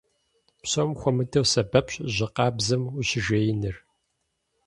Псом хуэмыдэу сэбэпщ жьы къабзэм ущыжеиныр.